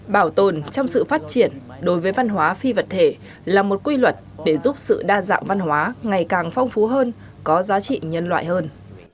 bảo tồn trong sự phát triển đối với văn hóa phi vật thể là một quy luật để giúp sự đa dạng văn hóa ngày càng phong phú hơn có giá trị nhân loại hơn